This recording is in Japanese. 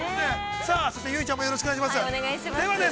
さあ、そして結実ちゃんもよろしくお願いします。